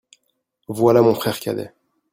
Voilà mon frère cadet.